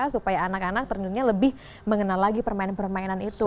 supaya anak anak tentunya lebih mengenal lagi permainan permainan itu